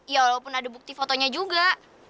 ya walaupun ada bukti fotonya juga